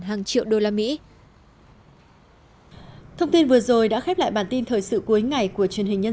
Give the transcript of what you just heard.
hàng triệu đô la mỹ thông tin vừa rồi đã khép lại bản tin thời sự cuối ngày của truyền hình nhân